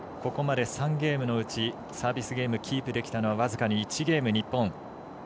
ここまで３ゲームのうちサービスゲームキープできたのは僅かに１ゲーム、日本。